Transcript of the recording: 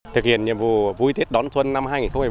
thực hiện nhiệm vụ vui tiết đón xuân năm hai nghìn một mươi bảy